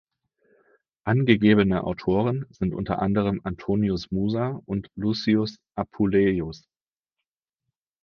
Angegebene Autoren sind unter anderem Antonius Musa und Lucius Apuleius.